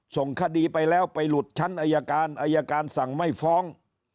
ส่งคดีไปแล้วไปหลุดชั้นอายการอายการสั่งไม่ฟ้อง